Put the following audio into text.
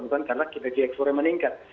bukan karena energi ekspornya meningkat